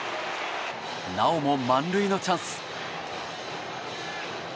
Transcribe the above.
なおも満塁のチャンス。